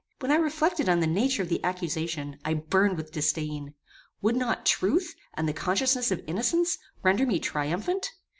When I reflected on the nature of the accusation, I burned with disdain. Would not truth, and the consciousness of innocence, render me triumphant?